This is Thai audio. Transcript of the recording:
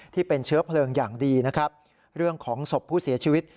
ที่เป็นเชื้อเพลิงอย่างดีนะครับเรื่องของศพผู้เสียชีวิต